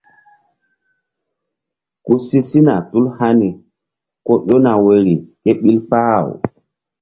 Ku si sina tul hani ko ƴona woyri ké ɓil kpah-aw.